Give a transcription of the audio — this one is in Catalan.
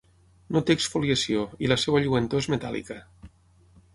No té exfoliació i la seva lluentor és metàl·lica.